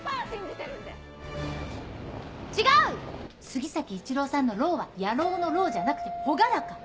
杉崎一朗さんの「ろう」は野郎の「郎」じゃなくて「朗らか」。